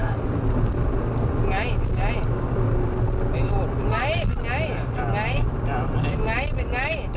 ยังไงเป็นไงเป็นไงเป็นไง